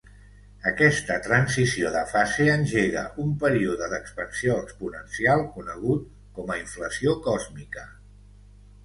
Aquesta transició de fase engegà un període d'expansió exponencial conegut com a inflació còsmica.